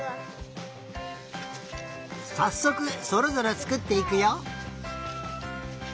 さっそくそれぞれつくっていくよ。